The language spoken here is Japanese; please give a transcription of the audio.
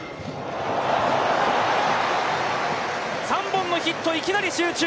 ３本のヒット、いきなり集中。